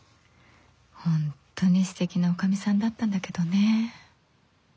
本当にすてきなおかみさんだったんだけどね。